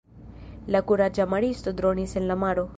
La kuraĝa maristo dronis en la maro.